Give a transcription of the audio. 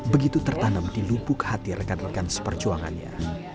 begitu tertanam di lubuk hati rekan rekan seperjuangannya